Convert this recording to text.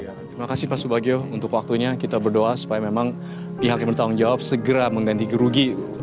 terima kasih pak subagio untuk waktunya kita berdoa supaya memang pihak yang bertanggung jawab segera mengganti gerugi